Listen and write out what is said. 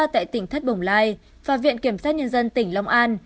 tại tỉnh thất bồng lai và viện kiểm sát nhân dân tỉnh long an